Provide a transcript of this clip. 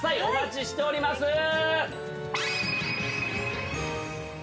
お待ちしております。